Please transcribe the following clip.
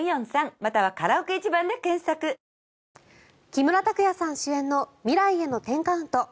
木村拓哉さん主演の「未来への１０カウント」。